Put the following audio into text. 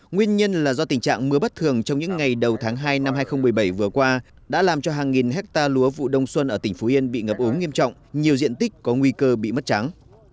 nguyên nhân là do tình trạng mưa bất thường trong những ngày đầu tháng hai năm hai nghìn một mươi bảy vừa qua đã làm cho hàng nghìn hectare lúa vụ đông xuân ở tỉnh phú yên bị ngập ống nghiêm trọng nhiều diện tích có nguy cơ bị mất trắng